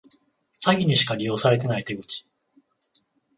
詐欺にしか利用されてない手口